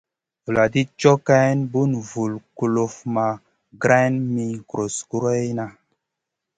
Vuladid cow geyn, bun vul kuluf ma greyn mi gros goroyna.